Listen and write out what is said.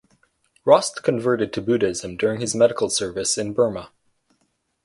Rost converted to Buddhism during his medical service in Burma.